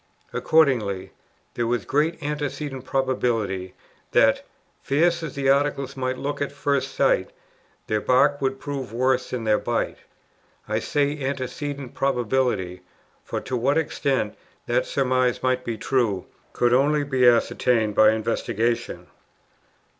Accordingly, there was great antecedent probability, that, fierce as the Articles might look at first sight, their bark would prove worse than their bite. I say antecedent probability, for to what extent that surmise might be true, could only be ascertained by investigation.